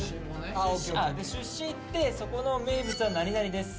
出身いって「そこの名物はなになにです。